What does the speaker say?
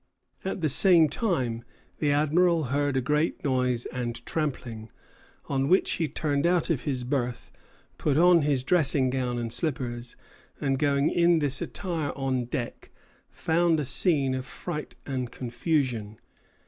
At the same time the Admiral heard a great noise and trampling, on which he turned out of his berth, put on his dressing gown and slippers, and going in this attire on deck, found a scene of fright and confusion.